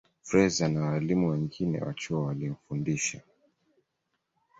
Fraser na walimu wengine wa chuo walimfundisha